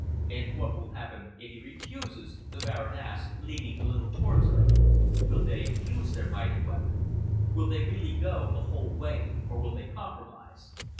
"And what will happen if he refuses?" the Baron asked, leaning a little towards her. "Will they use their mighty weapon? Will they really go the whole way, or will they compromise?"